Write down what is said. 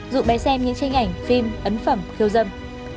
dụ bé xem những tranh ảnh phim ấn phẩm khiêu dâm